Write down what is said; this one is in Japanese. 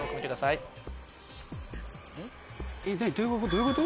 どういうこと？